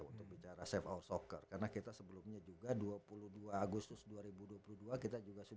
untuk bicara safe our soccer karena kita sebelumnya juga dua puluh dua agustus dua ribu dua puluh dua kita juga sudah